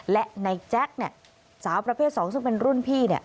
และในแจ๊คสาวประเภท๒ซึ่งเป็นรุ่นพี่